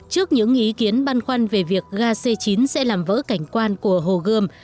trước những ý kiến băn khoăn về việc ga c chín sẽ làm vỡ cảnh quan của hồ gươm